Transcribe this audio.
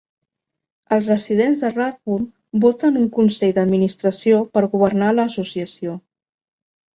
Els residents de Radburn voten un Consell d'Administració per governar l'Associació.